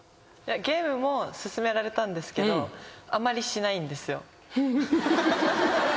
ゲームも勧められたんですけどあまりしないんですよ。